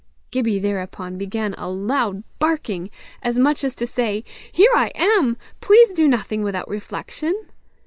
Gibbie, thereupon, began a loud barking, as much as to say "Here I am: please do nothing without reflection."